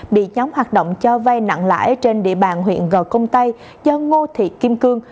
bị nhóm hoạt động cho vay nặng lãi trên địa bàn huyện gò công tây do ngô thị kim cương